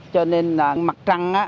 cho nên là mặt trăng á